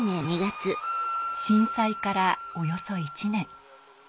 震災からおよそ１年。